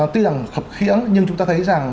tuy rằng khập khiễng nhưng chúng ta thấy rằng